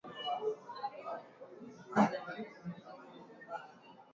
Nyumba ina bomoka na nvula ya busiku